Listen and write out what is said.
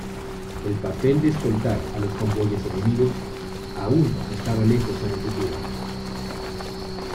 El papel de escoltar a los convoyes enemigos aún estaba lejos en el futuro.